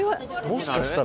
もしかしたら。